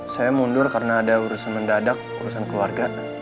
saya mundur karena ada urusan mendadak urusan keluarga